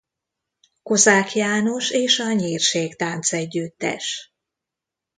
Kozák János és a Nyírség Táncegyüttes.